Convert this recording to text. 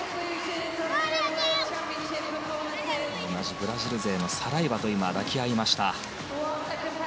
同じブラジル勢のサライバと今、抱き合いました。